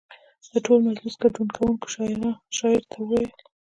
د ټول مجلس ګډون کوونکو شاعر ته وویل.